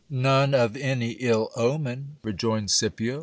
None of any ill omen, rejoined Scipio.